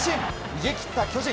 逃げ切った巨人。